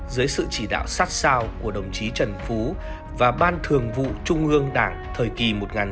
dưới sự chỉ đạo sát sao của đồng chí trần phú và ban thường vụ trung ương đảng thời kỳ một nghìn chín trăm ba mươi một nghìn chín trăm chín mươi